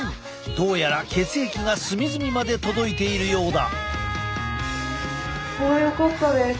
どうやら血液が隅々まで届いているようだ。